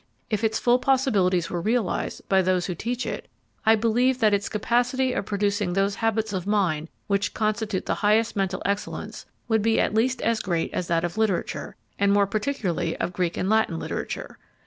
If its full possibilities were realised by those who teach it, I believe that its capacity of producing those habits of mind which constitute the highest mental excellence would be at least as great as that of literature, and more particularly of Greek and Latin literature.